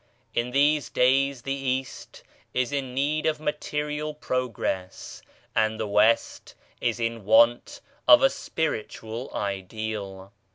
In these days the East is in need of material progress and the West is in want of a spiritual ideal.